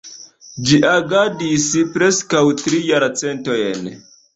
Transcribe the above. Ĝi agadis preskaŭ tri jarcentojn.